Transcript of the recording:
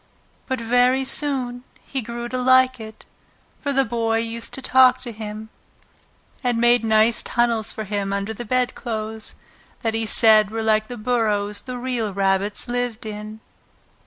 But very soon he grew to like it, for the Boy used to talk to him, and made nice tunnels for him under the bedclothes that he said were like the burrows the real rabbits lived in.